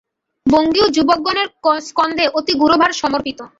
বঙ্গীয় যুবকগণের স্কন্ধে অতি গুরুভার সমর্পিত।